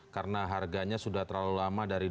karena harganya sudah terlalu lama dari dua ribu sepuluh